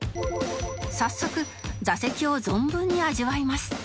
早速座席を存分に味わいます